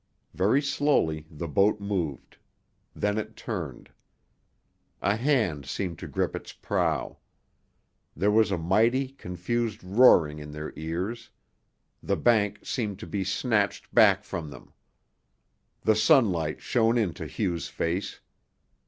Very slowly the boat moved; then it turned. A hand seemed to grip it's prow. There was a mighty, confused roaring in their ears; the bank seemed to be snatched back from them. The sunlight, shone into Hugh's face.